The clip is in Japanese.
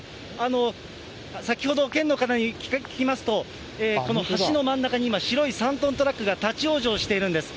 先ほど、県の方に聞きますと、この橋の真ん中に今、白い３トントラックが立往生しているんです。